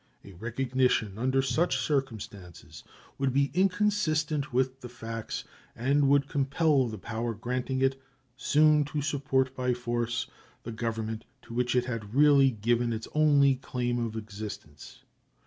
A recognition under such circumstances would be inconsistent with the facts, and would compel the power granting it soon to support by force the government to which it had really given its only claim of existence.